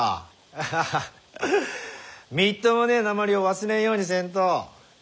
アハハみっともねえなまりを忘れんようにせんと。